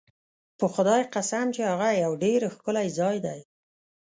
په خدای قسم چې هغه یو ډېر ښکلی ځای دی.